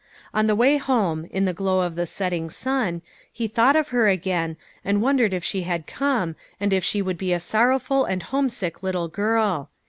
On the way home, in the glow of the setting sun, he thought of her again, and wondered if she had come, and if she would be a sorrowful and home sick little girl.